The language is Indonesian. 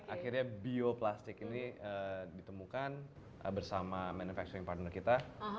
akhirnya bioplastik ini ditemukan bersama manufacturing partner kita